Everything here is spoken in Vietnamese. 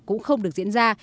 cũng không được diễn ra